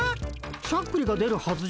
しゃっくりが出るはずじゃ。